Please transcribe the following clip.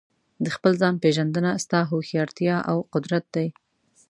د خپل ځان پېژندنه ستا هوښیارتیا او قدرت دی.